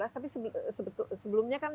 tapi sebelumnya kan